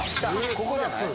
ここじゃない？